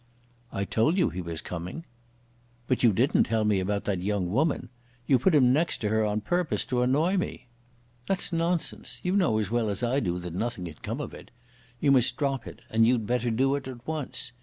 "I told you he was coming." "But you didn't tell me about that young woman. You put him next to her on purpose to annoy me." "That's nonsense. You know as well as I do that nothing can come of it. You must drop it, and you'd better do it at once.